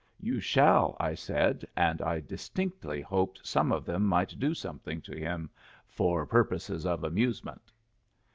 "You shall," I said; and I distinctly hoped some of them might do something to him "for purposes of amusement."